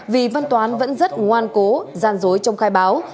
vì văn toán vẫn rất ngoan cố gian dối trong khai báo